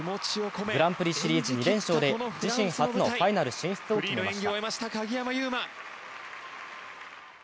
グランプリシリーズ２連勝で自身初のファイナル進出を決めました。